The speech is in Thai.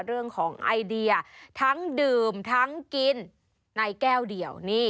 เรื่องของไอเดียทั้งดื่มทั้งกินในแก้วเดียว